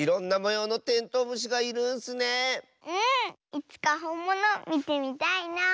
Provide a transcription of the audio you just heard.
いつかほんものみてみたいなあ。